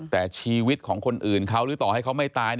แต่ชีวิตของคนอื่นเขาหรือต่อให้เขาไม่ตาย